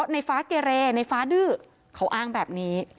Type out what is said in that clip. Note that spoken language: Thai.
ในฟ้าเกเรในฟ้าดื้อเขาอ้างแบบนี้